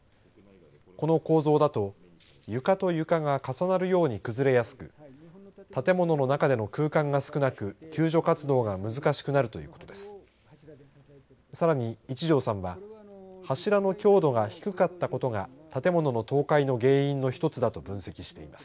この構造だと床と床が重なるように崩れやすく建物の中での空間が少なく救助活動が難しくなるということです。